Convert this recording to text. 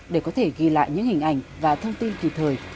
để có thể ghi lại những hình ảnh và thông tin kịp thời